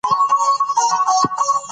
څېړونکو وویل، دا پرمختګ دی.